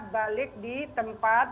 balik di tempat